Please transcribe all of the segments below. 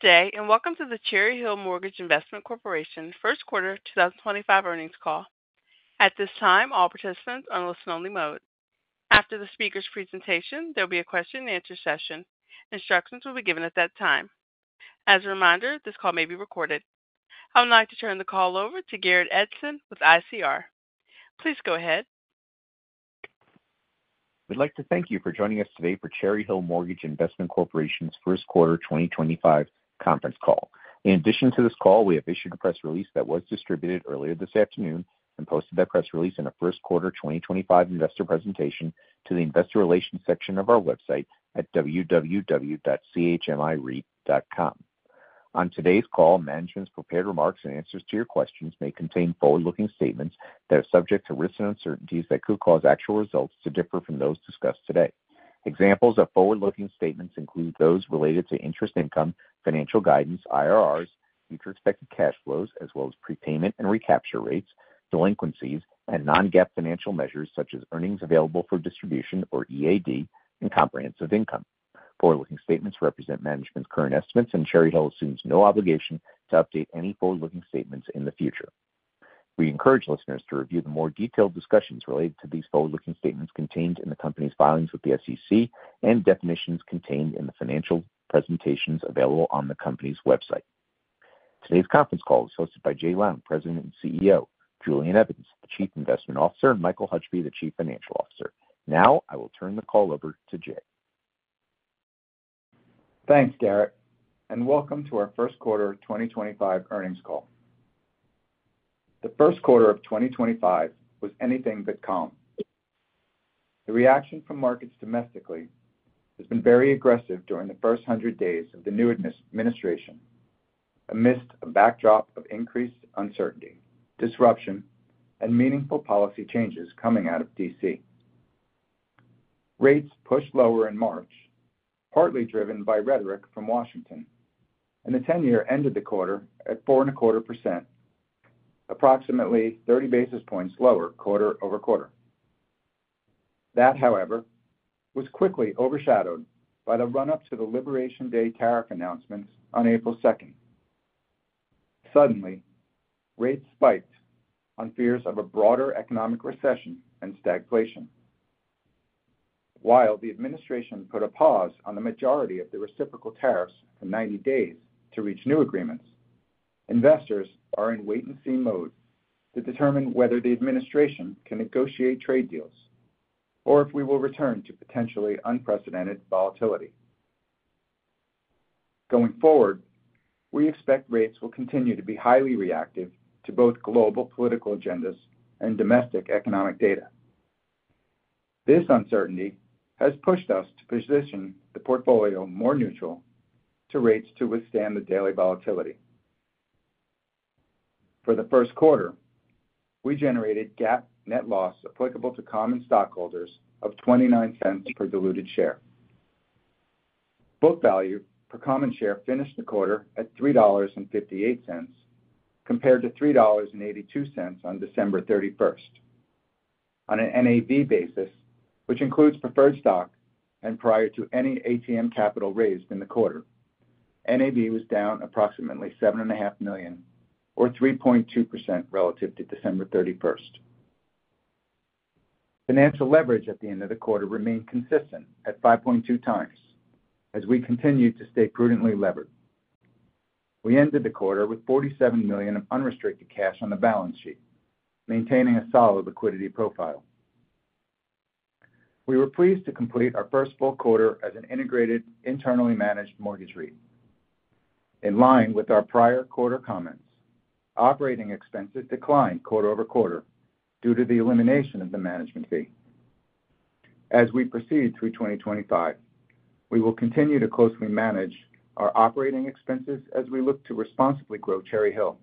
Good day, and welcome to the Cherry Hill Mortgage Investment Corporation first quarter 2025 earnings call. At this time, all participants are on a listen-only mode. After the speaker's presentation, there will be a question-and-answer session. Instructions will be given at that time. As a reminder, this call may be recorded. I would like to turn the call over to Garrett Edson with ICR. Please go ahead. We'd like to thank you for joining us today for Cherry Hill Mortgage Investment Corporation's first quarter 2025 conference call. In addition to this call, we have issued a press release that was distributed earlier this afternoon and posted that press release in a first quarter 2025 investor presentation to the investor relations section of our website at www.chmireit.com. On today's call, management's prepared remarks and answers to your questions may contain forward-looking statements that are subject to risks and uncertainties that could cause actual results to differ from those discussed today. Examples of forward-looking statements include those related to interest income, financial guidance, IRRs, future expected cash flows, as well as prepayment and recapture rates, delinquencies, and non-GAAP financial measures such as earnings available for distribution or EAD and comprehensive income. Forward-looking statements represent management's current estimates, and Cherry Hill assumes no obligation to update any forward-looking statements in the future. We encourage listeners to review the more detailed discussions related to these forward-looking statements contained in the company's filings with the SEC and definitions contained in the financial presentations available on the company's website. Today's conference call is hosted by Jay Lown, President and CEO, Julian Evans, the Chief Investment Officer, and Michael Hutchby, the Chief Financial Officer. Now, I will turn the call over to Jay. Thanks, Garrett, and welcome to our first quarter 2025 earnings call. The first quarter of 2025 was anything but calm. The reaction from markets domestically has been very aggressive during the first hundred days of the new administration, amidst a backdrop of increased uncertainty, disruption, and meaningful policy changes coming out of D.C. Rates pushed lower in March, partly driven by rhetoric from Washington, and the 10-year ended the quarter at 4.25%, approximately 30 basis points lower quarter over quarter. That, however, was quickly overshadowed by the run-up to the Liberation Day tariff announcements on April 2nd. Suddenly, rates spiked on fears of a broader economic recession and stagflation. While the administration put a pause on the majority of the reciprocal tariffs for 90 days to reach new agreements, investors are in wait-and-see mode to determine whether the administration can negotiate trade deals or if we will return to potentially unprecedented volatility. Going forward, we expect rates will continue to be highly reactive to both global political agendas and domestic economic data. This uncertainty has pushed us to position the portfolio more neutral to rates to withstand the daily volatility. For the first quarter, we generated GAAP net loss applicable to common stockholders of $0.29 per diluted share. Book value per common share finished the quarter at $3.58, compared to $3.82 on December 31. On an NAV basis, which includes preferred stock and prior to any ATM capital raised in the quarter, NAV was down approximately $7.5 million, or 3.2% relative to December 31. Financial leverage at the end of the quarter remained consistent at 5.2 times, as we continued to stay prudently levered. We ended the quarter with $47 million of unrestricted cash on the balance sheet, maintaining a solid liquidity profile. We were pleased to complete our first full quarter as an integrated, internally managed mortgage REIT. In line with our prior quarter comments, operating expenses declined quarter over quarter due to the elimination of the management fee. As we proceed through 2025, we will continue to closely manage our operating expenses as we look to responsibly grow Cherry Hill,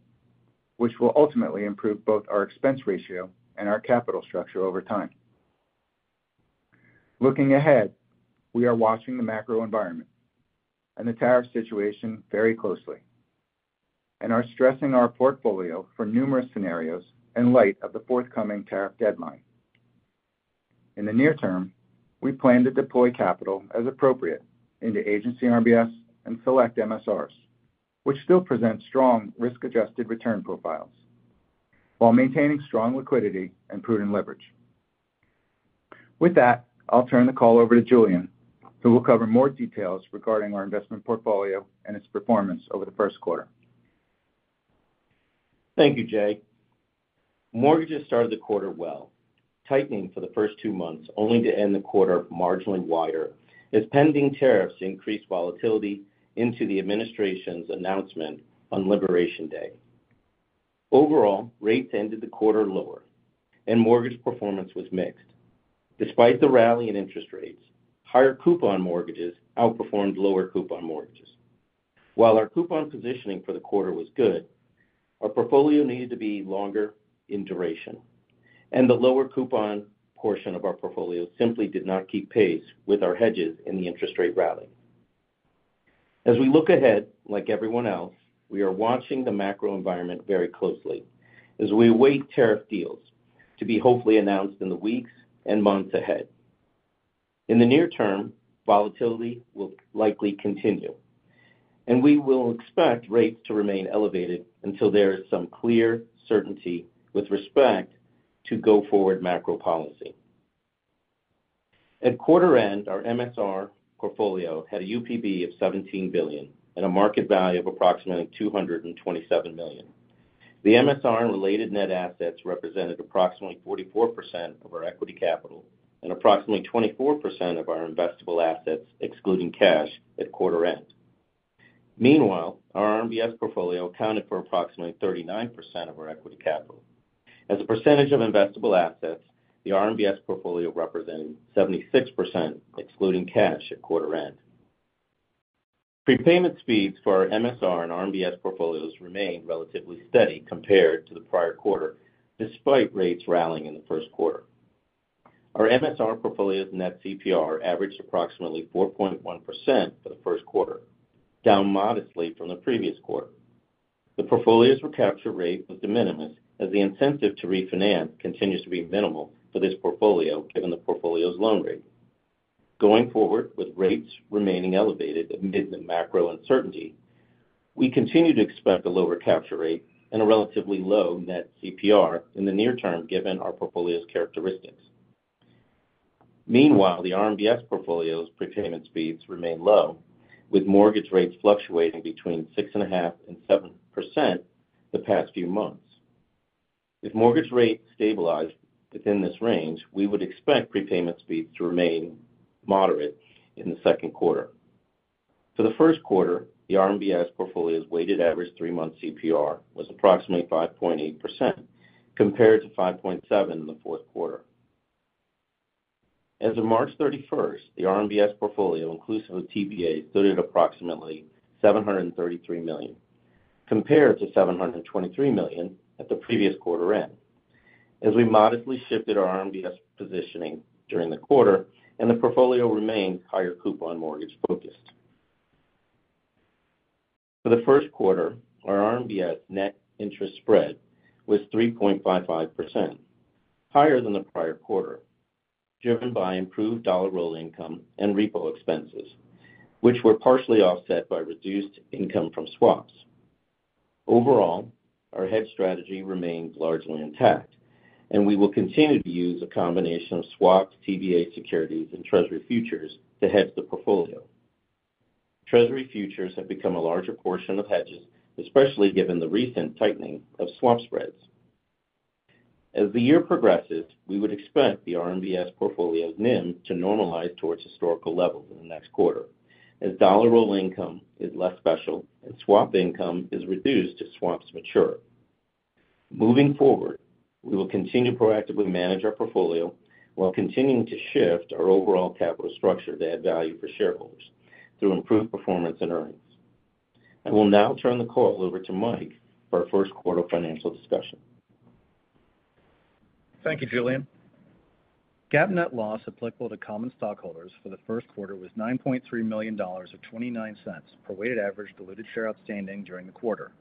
which will ultimately improve both our expense ratio and our capital structure over time. Looking ahead, we are watching the macro environment and the tariff situation very closely, and are stressing our portfolio for numerous scenarios in light of the forthcoming tariff deadline. In the near term, we plan to deploy capital as appropriate into agency RMBS and select MSRs, which still present strong risk-adjusted return profiles, while maintaining strong liquidity and prudent leverage. With that, I'll turn the call over to Julian, who will cover more details regarding our investment portfolio and its performance over the first quarter. Thank you, Jay. Mortgages started the quarter well, tightening for the first two months, only to end the quarter marginally wider, as pending tariffs increased volatility into the administration's announcement on Liberation Day. Overall, rates ended the quarter lower, and mortgage performance was mixed. Despite the rally in interest rates, higher coupon mortgages outperformed lower coupon mortgages. While our coupon positioning for the quarter was good, our portfolio needed to be longer in duration, and the lower coupon portion of our portfolio simply did not keep pace with our hedges in the interest rate rally. As we look ahead, like everyone else, we are watching the macro environment very closely as we await tariff deals to be hopefully announced in the weeks and months ahead. In the near term, volatility will likely continue, and we will expect rates to remain elevated until there is some clear certainty with respect to go forward macro policy. At quarter end, our MSR portfolio had a UPB of $17 billion and a market value of approximately $227 million. The MSR and related net assets represented approximately 44% of our equity capital and approximately 24% of our investable assets, excluding cash, at quarter end. Meanwhile, our RMBS portfolio accounted for approximately 39% of our equity capital. As a percentage of investable assets, the RMBS portfolio represented 76%, excluding cash, at quarter end. Prepayment speeds for our MSR and RMBS portfolios remained relatively steady compared to the prior quarter, despite rates rallying in the first quarter. Our MSR portfolio's net CPR averaged approximately 4.1% for the first quarter, down modestly from the previous quarter. The portfolio's recapture rate was de minimis, as the incentive to refinance continues to be minimal for this portfolio, given the portfolio's loan rate. Going forward, with rates remaining elevated amid the macro uncertainty, we continue to expect a lower capture rate and a relatively low net CPR in the near term, given our portfolio's characteristics. Meanwhile, the RMBS portfolio's prepayment speeds remain low, with mortgage rates fluctuating between 6.5% and 7% the past few months. If mortgage rates stabilize within this range, we would expect prepayment speeds to remain moderate in the second quarter. For the first quarter, the RMBS portfolio's weighted average three-month CPR was approximately 5.8%, compared to 5.7% in the fourth quarter. As of March 31st, the RMBS portfolio, inclusive of TBA, stood at approximately $733 million, compared to $723 million at the previous quarter end, as we modestly shifted our RMBS positioning during the quarter, and the portfolio remained higher coupon mortgage-focused. For the first quarter, our RMBS net interest spread was 3.55%, higher than the prior quarter, driven by improved dollar roll income and repo expenses, which were partially offset by reduced income from swaps. Overall, our hedge strategy remained largely intact, and we will continue to use a combination of swaps, TBA securities, and Treasury futures to hedge the portfolio. Treasury futures have become a larger portion of hedges, especially given the recent tightening of swap spreads. As the year progresses, we would expect the RMBS portfolio's NIM to normalize towards historical levels in the next quarter, as dollar roll income is less special and swap income is reduced as swaps mature. Moving forward, we will continue to proactively manage our portfolio while continuing to shift our overall capital structure to add value for shareholders through improved performance and earnings. I will now turn the call over to Mike for our first quarter financial discussion. Thank you, Julian. GAAP net loss applicable to common stockholders for the first quarter was $9.3 million or $0.29 per weighted average diluted share outstanding during the quarter,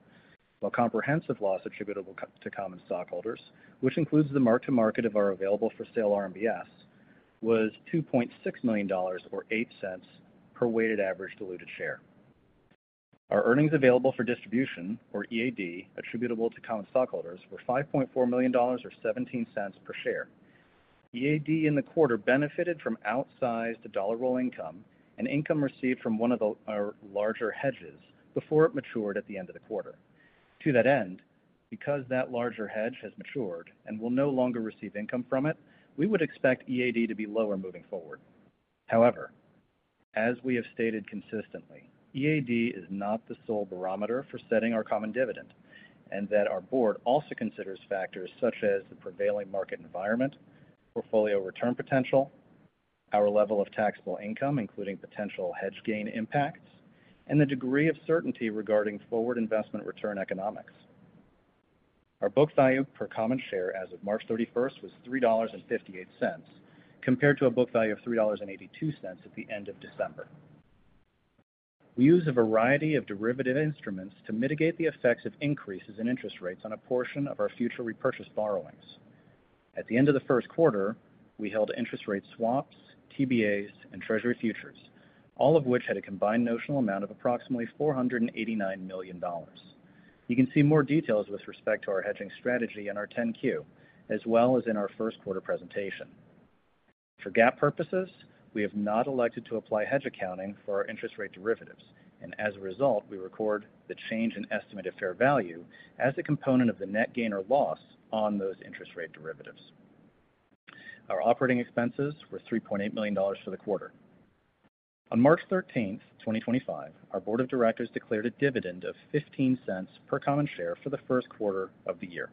while comprehensive loss attributable to common stockholders, which includes the mark-to-market of our available-for-sale RMBS, was $2.6 million or $0.08 per weighted average diluted share. Our earnings available for distribution, or EAD, attributable to common stockholders, were $5.4 million or $0.17 per share. EAD in the quarter benefited from outsized dollar roll income and income received from one of our larger hedges before it matured at the end of the quarter. To that end, because that larger hedge has matured and we will no longer receive income from it, we would expect EAD to be lower moving forward. However, as we have stated consistently, EAD is not the sole barometer for setting our common dividend, and that our board also considers factors such as the prevailing market environment, portfolio return potential, our level of taxable income, including potential hedge gain impacts, and the degree of certainty regarding forward investment return economics. Our book value per common share as of March 31 was $3.58, compared to a book value of $3.82 at the end of December. We use a variety of derivative instruments to mitigate the effects of increases in interest rates on a portion of our future repurchase borrowings. At the end of the first quarter, we held interest rate swaps, TBAs, and Treasury futures, all of which had a combined notional amount of approximately $489 million. You can see more details with respect to our hedging strategy in our 10-Q, as well as in our first quarter presentation. For GAAP purposes, we have not elected to apply hedge accounting for our interest rate derivatives, and as a result, we record the change in estimated fair value as a component of the net gain or loss on those interest rate derivatives. Our operating expenses were $3.8 million for the quarter. On March 13th, 2025, our board of directors declared a dividend of $0.15 per common share for the first quarter of the year,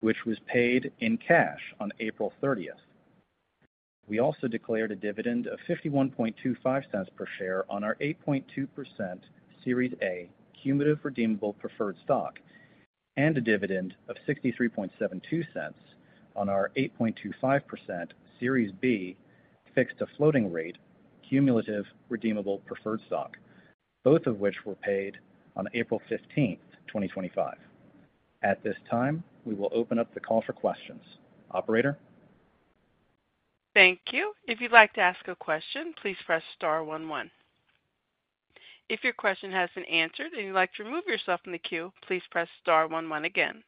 which was paid in cash on April 30th. We also declared a dividend of $0.5125 per share on our 8.2% Series A cumulative redeemable preferred stock and a dividend of $0.6372 on our 8.25% Series B fixed to floating rate cumulative redeemable preferred stock, both of which were paid on April 15th, 2025. At this time, we will open up the call for questions. Operator? Thank you. If you'd like to ask a question, please press star 11. If your question has been answered and you'd like to remove yourself from the queue, please press star 11 again.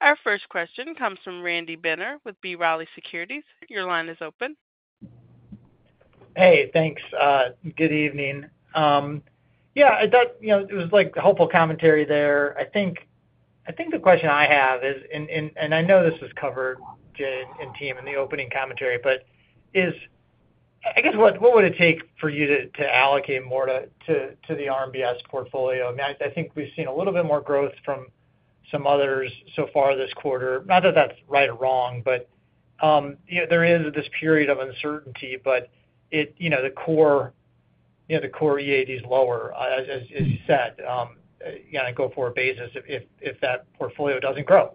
Our first question comes from Randy Binner with B. Riley Securities. Your line is open. Hey, thanks. Good evening. Yeah, it was like hopeful commentary there. I think the question I have is, and I know this was covered, Jay and team, in the opening commentary, but I guess what would it take for you to allocate more to the RMBS portfolio? I mean, I think we've seen a little bit more growth from some others so far this quarter. Not that that's right or wrong, but there is this period of uncertainty, but the core EAD is lower, as you said, on a go-forward basis if that portfolio does not grow.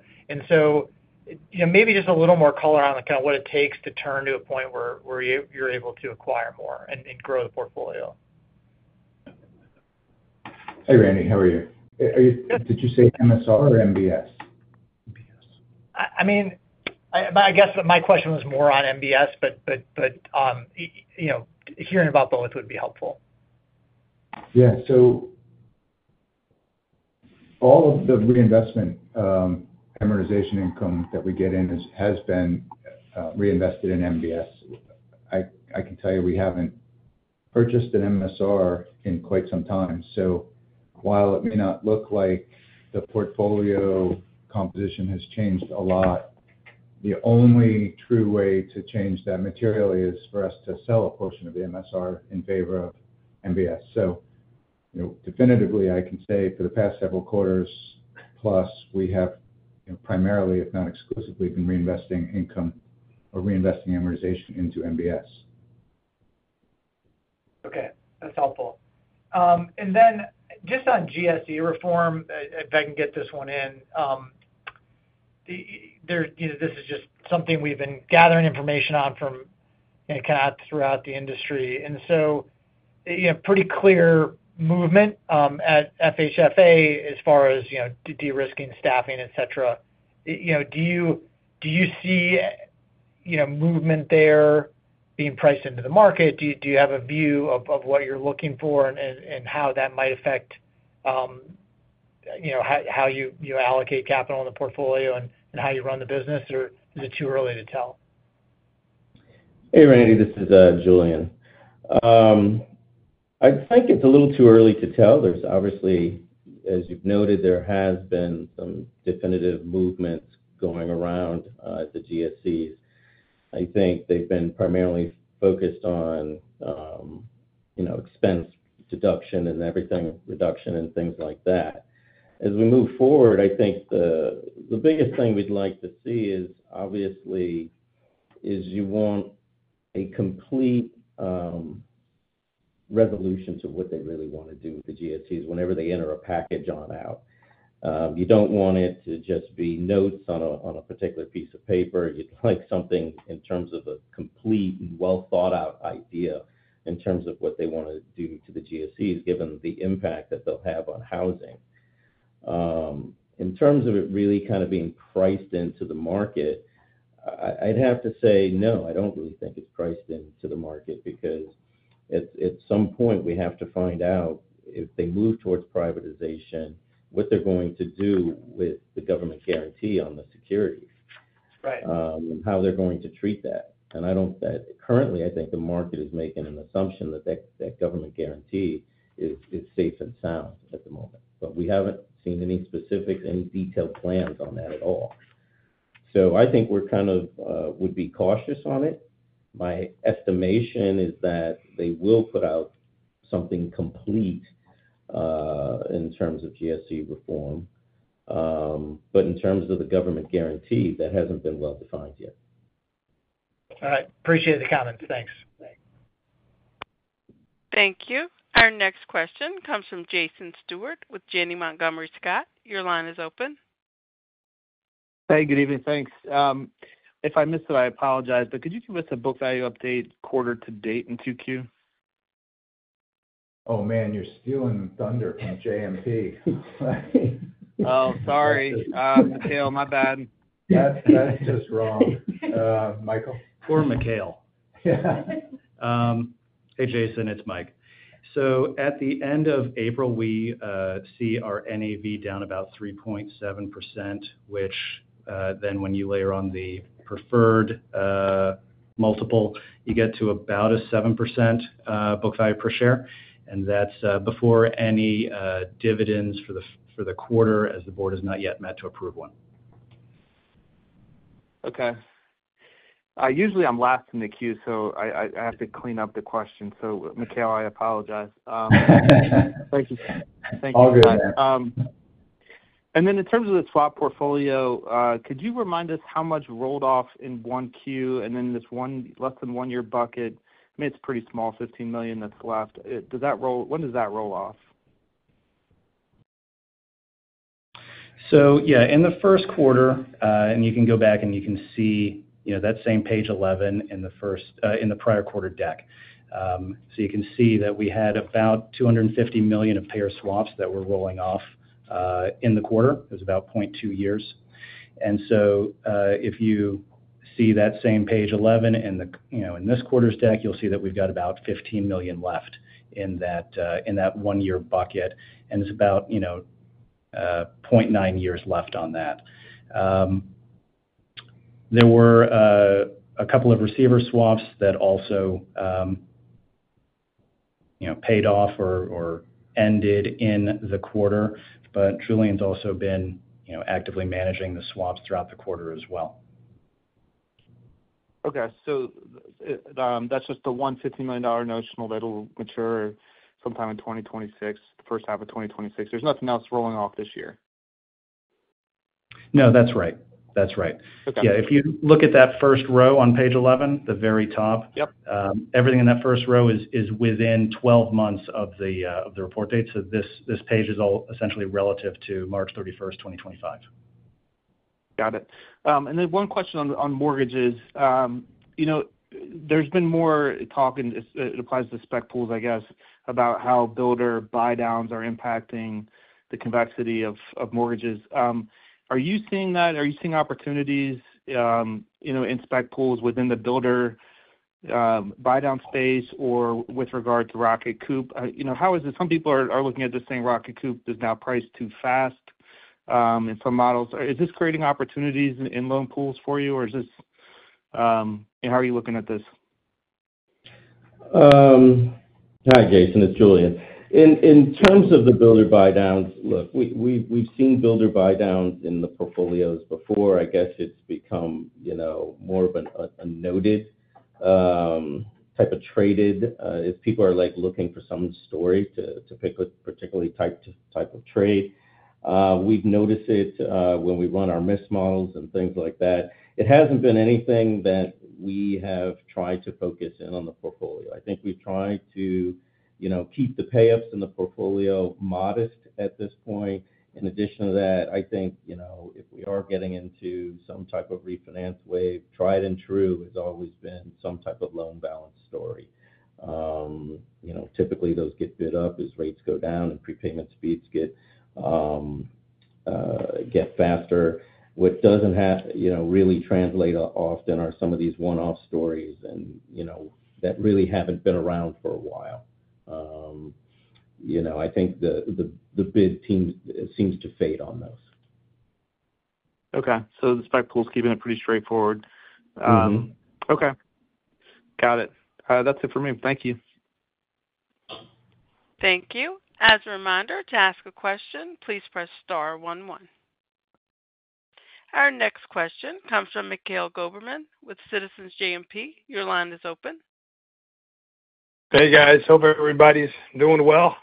Maybe just a little more color on kind of what it takes to turn to a point where you're able to acquire more and grow the portfolio. Hey, Randy, how are you? Did you say MSR or MBS? I mean, I guess my question was more on MBS, but hearing about both would be helpful. Yeah. All of the reinvestment amortization income that we get in has been reinvested in MBS. I can tell you we have not purchased an MSR in quite some time. While it may not look like the portfolio composition has changed a lot, the only true way to change that materially is for us to sell a portion of the MSR in favor of MBS. Definitively, I can say for the past several quarters plus, we have primarily, if not exclusively, been reinvesting income or reinvesting amortization into MBS. Okay. That's helpful. Then just on GSE reform, if I can get this one in, this is just something we've been gathering information on from kind of throughout the industry. It is pretty clear movement at FHFA as far as de-risking, staffing, etc. Do you see movement there being priced into the market? Do you have a view of what you're looking for and how that might affect how you allocate capital in the portfolio and how you run the business, or is it too early to tell? Hey, Randy. This is Julian. I think it's a little too early to tell. Obviously, as you've noted, there has been some definitive movements going around at the GSEs. I think they've been primarily focused on expense deduction and everything, reduction and things like that. As we move forward, I think the biggest thing we'd like to see is, obviously, you want a complete resolution to what they really want to do with the GSEs whenever they enter a package on out. You don't want it to just be notes on a particular piece of paper. You'd like something in terms of a complete and well-thought-out idea in terms of what they want to do to the GSEs, given the impact that they'll have on housing. In terms of it really kind of being priced into the market, I'd have to say, no, I don't really think it's priced into the market because at some point, we have to find out if they move towards privatization, what they're going to do with the government guarantee on the securities, how they're going to treat that. Currently, I think the market is making an assumption that that government guarantee is safe and sound at the moment, but we haven't seen any specific, any detailed plans on that at all. I think we kind of would be cautious on it. My estimation is that they will put out something complete in terms of GSE reform, but in terms of the government guarantee, that hasn't been well-defined yet. All right. Appreciate the comments. Thanks. Thank you. Our next question comes from Jason Stewart with Janney Montgomery Scott. Your line is open. Hey, good evening. Thanks. If I missed it, I apologize, but could you give us a book value update quarter to date in 2Q? Oh, man. You're stealing thunder from JMP. Oh, sorry. Michael, my bad. That's just wrong. Michael? Or Mikhail. Hey, Jason. It's Mike. At the end of April, we see our NAV down about 3.7%, which then when you layer on the preferred multiple, you get to about a 7% book value per share. That's before any dividends for the quarter, as the board has not yet met to approve one. Okay. Usually, I'm last in the queue, so I have to clean up the question. So Mikhail, I apologize. Thank you. All good. In terms of the swap portfolio, could you remind us how much rolled off in Q1? I mean, this less than one-year bucket, it's pretty small, $15 million that's left. When does that roll off? Yeah, in the first quarter, and you can go back and you can see that same page 11 in the prior quarter deck. You can see that we had about $250 million of payer swaps that were rolling off in the quarter. It was about 0.2 years. If you see that same page 11 in this quarter's deck, you'll see that we've got about $15 million left in that one-year bucket, and it's about 0.9 years left on that. There were a couple of receiver swaps that also paid off or ended in the quarter, but Julian's also been actively managing the swaps throughout the quarter as well. Okay. So that's just the one $150 million notional that'll mature sometime in 2026, the first half of 2026. There's nothing else rolling off this year. No, that's right. That's right. Yeah. If you look at that first row on page 11, the very top, everything in that first row is within 12 months of the report date. So this page is all essentially relative to March 31, 2025. Got it. One question on mortgages. There has been more talk, and it applies to spec pools, I guess, about how builder buy-downs are impacting the complexity of mortgages. Are you seeing that? Are you seeing opportunities in spec pools within the builder buy-down space or with regard to Rocket Mortgage? How is it? Some people are looking at this saying Rocket Mortgage is now priced too fast in some models. Is this creating opportunities in loan pools for you, or is this how are you looking at this? Hi, Jason. It's Julian. In terms of the builder buy-downs, look, we've seen builder buy-downs in the portfolios before. I guess it's become more of a noted type of trade if people are looking for some story to pick a particular type of trade. We've noticed it when we run our miss models and things like that. It hasn't been anything that we have tried to focus in on the portfolio. I think we've tried to keep the payouts in the portfolio modest at this point. In addition to that, I think if we are getting into some type of refinance wave, tried and true has always been some type of loan balance story. Typically, those get bid up as rates go down and prepayment speeds get faster. What doesn't really translate often are some of these one-off stories that really haven't been around for a while. I think the bid team seems to fade on those. Okay. So the spec pools keeping it pretty straightforward. Okay. Got it. That's it for me. Thank you. Thank you. As a reminder, to ask a question, please press star 11. Our next question comes from Mikhail Goberman with Citizens JMP. Your line is open. Hey, guys. Hope everybody's doing well.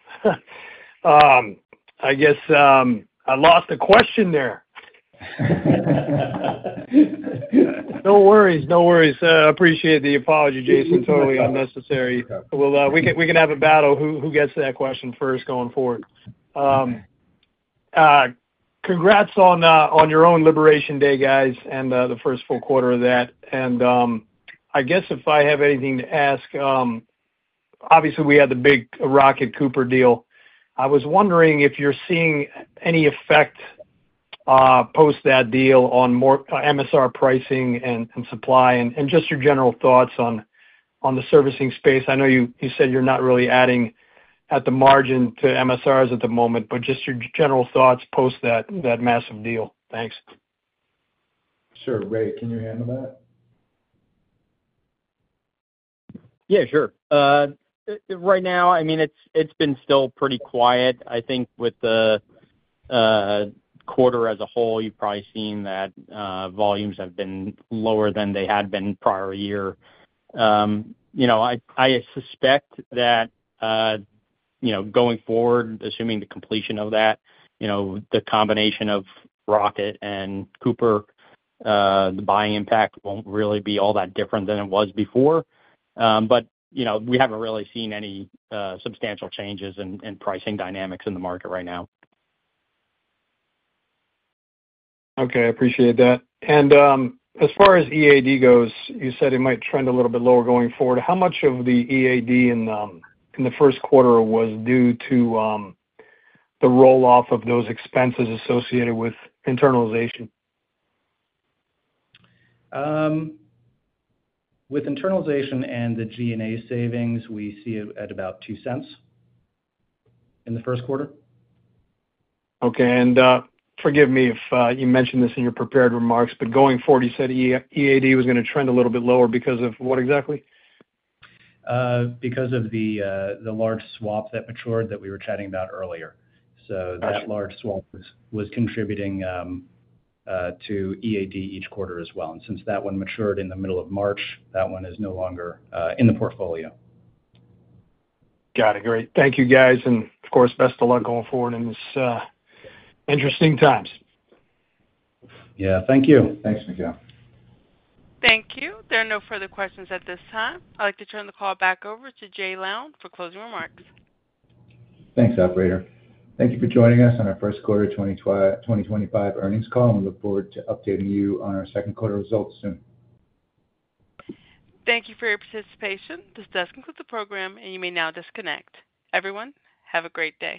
I guess I lost the question there. No worries. No worries. Appreciate the apology, Jason. Totally unnecessary. We can have a battle who gets that question first going forward. Congrats on your own Liberation Day, guys, and the first full quarter of that. I guess if I have anything to ask, obviously, we had the big Rocket Cooper deal. I was wondering if you're seeing any effect post that deal on MSR pricing and supply and just your general thoughts on the servicing space. I know you said you're not really adding at the margin to MSRs at the moment, but just your general thoughts post that massive deal. Thanks. Sure. Ray, can you handle that? Yeah, sure. Right now, I mean, it's been still pretty quiet. I think with the quarter as a whole, you've probably seen that volumes have been lower than they had been prior year. I suspect that going forward, assuming the completion of that, the combination of Rocket and Cooper, the buying impact won't really be all that different than it was before. We haven't really seen any substantial changes in pricing dynamics in the market right now. Okay. I appreciate that. As far as EAD goes, you said it might trend a little bit lower going forward. How much of the EAD in the first quarter was due to the roll-off of those expenses associated with internalization? With internalization and the G&A savings, we see it at about $0.02 in the first quarter. Okay. Forgive me if you mentioned this in your prepared remarks, but going forward, you said EAD was going to trend a little bit lower because of what exactly? Because of the large swap that matured that we were chatting about earlier. That large swap was contributing to EAD each quarter as well. Since that one matured in the middle of March, that one is no longer in the portfolio. Got it. Great. Thank you, guys. And of course, best of luck going forward in these interesting times. Yeah. Thank you. Thanks, Mikhail. Thank you. There are no further questions at this time. I'd like to turn the call back over to Jay Lown for closing remarks. Thanks, operator. Thank you for joining us on our first quarter 2025 earnings call. We look forward to updating you on our second quarter results soon. Thank you for your participation. This does conclude the program, and you may now disconnect. Everyone, have a great day.